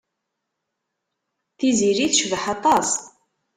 Tiziri tecbeḥ aṭas.